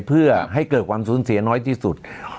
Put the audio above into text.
เพื่อให้เกิดความสูญเสียน้อยที่สุด